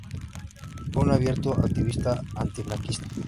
Fue un abierto activista antifranquista.